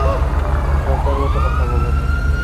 বোকার মতো কথা বল না।